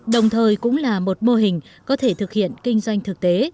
đồng thời cũng là một mô hình có thể thực hiện kinh doanh thực tế